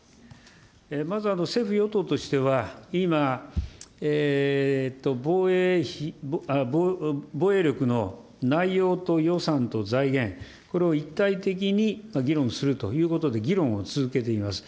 まず、政府・与党としては、今、防衛費、防衛力の内容と予算と財源、これを一体的に議論するということで議論を続けています。